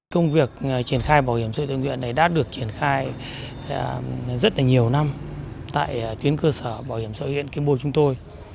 công việc triển khai bảo hiểm sự thương nguyện này đã được triển khai rất nhiều năm tại tuyến cơ sở bảo hiểm sự thương nguyện kim bôi chúng tôi